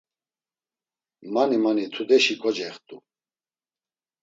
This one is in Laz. Mani mani tudeşi kocext̆u.